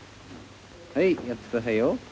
はいやって下さいよ。